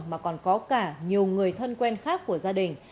mà còn có cả nhiều người thân quen khác của gia đình